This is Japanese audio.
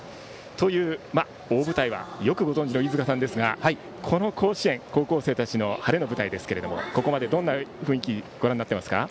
という大舞台はよくご存じの飯塚さんですがこの甲子園、高校生たちの晴れの舞台ですけれどもここまで、どんな雰囲気でご覧になっていますか？